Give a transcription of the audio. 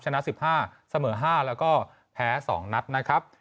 ชนะ๑๕เสมอ๕แล้วก็แพ้๒นัดนะครับ